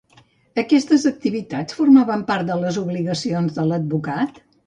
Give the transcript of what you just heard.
Aquestes activitats formaven part de les obligacions de l'advocat?